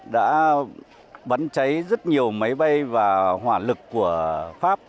đã bắn cháy rất nhiều máy bay và hỏa lực của pháp